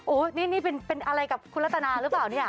โอ้โหนี่เป็นอะไรกับคุณรัตนาหรือเปล่าเนี่ย